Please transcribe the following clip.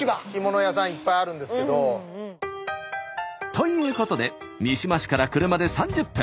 ということで三島市から車で３０分。